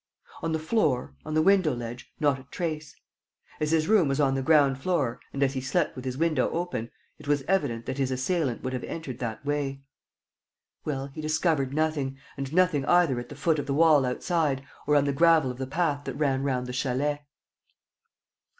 ... On the floor, on the window ledge, not a trace. As his room was on the ground floor and as he slept with his window open, it was evident that his assailant would have entered that way. Well, he discovered nothing; and nothing either at the foot of the wall outside, or on the gravel of the path that ran round the chalet.